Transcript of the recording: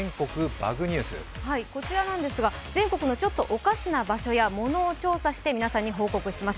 バグニュース、全国のちょっとおかしな場所やものを調査して皆さんに報告します。